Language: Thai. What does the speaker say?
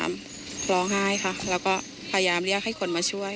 ร้องไห้ค่ะแล้วก็พยายามเรียกให้คนมาช่วย